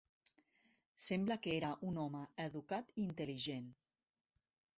Sembla que era un home educat i intel·ligent.